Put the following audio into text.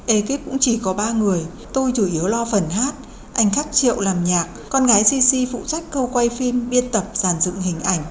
ekip cũng chỉ có ba người tôi chủ yếu lo phần hát anh khắc triệu làm nhạc con gái cc phụ trách câu quay phim biên tập giàn dựng hình ảnh